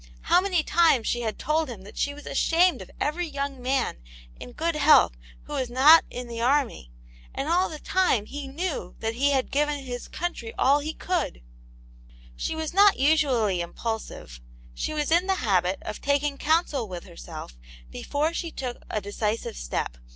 How many times she had told him that she was ashamed of every young man, in good health, who was not in the army — and all the time be knew that he had given his country all he could I She was not usually impulsive; she was in the habit of taking counsel with herself before she took a decisive step.